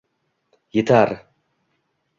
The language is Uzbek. «Yetar!